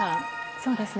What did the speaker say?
そうですね。